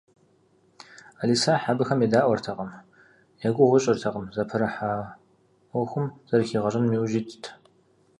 Ӏэлисахь абыхэм едаӏуэртэкъым, я гугъу ищӏыртэкъым, зыпэрыхьа ӏуэхум зэрыхигъэщӏыным яужь итт.